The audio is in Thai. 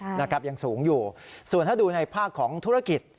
นะครับยังสูงอยู่ส่วนถ้าดูในภาคของธุรกิจ